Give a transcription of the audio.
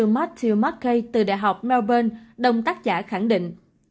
matthew mckay từ đại học melbourne đồng tác giả khẳng định